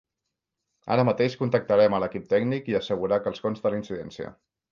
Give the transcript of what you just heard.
Ara mateix contactarem a l'equip tècnic i assegurar que els consta la incidència.